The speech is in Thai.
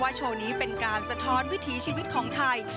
โชว์นี้เป็นการสะท้อนวิถีชีวิตของไทย